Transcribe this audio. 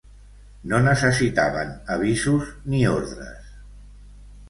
No necessitaven avisos, ni ordres